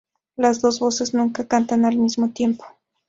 Las dos voces nunca cantan al mismo tiempo.